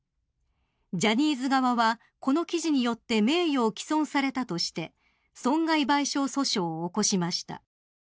ジャニーズ側はこの記事によって名誉を毀損されたとして損害賠償訴訟を起こしました。